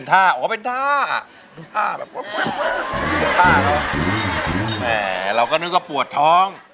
ท่าแล้วแหมเราก็นึกว่าปวดท้อง